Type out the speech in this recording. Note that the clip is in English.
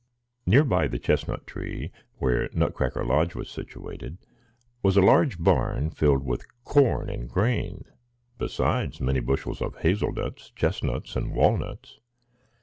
Near by the chestnut tree where Nutcracker Lodge was situated was a large barn filled with corn and grain, besides many bushels of hazel nuts, chestnuts, and walnuts.